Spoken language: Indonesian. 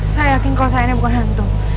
saya yakin kalau saya ini bukan hantu